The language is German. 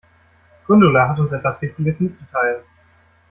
Gundula hat uns etwas Wichtiges mitzuteilen.